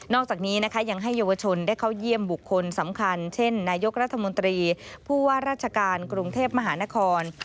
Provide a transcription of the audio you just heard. อกจากนี้นะคะยังให้เยาวชนได้เข้าเยี่ยมบุคคลสำคัญเช่นนายกรัฐมนตรีผู้ว่าราชการกรุงเทพมหานคร